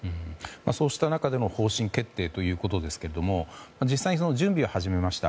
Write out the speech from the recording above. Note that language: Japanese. そうした中での方針決定ということですが実際に、その準備を始めました。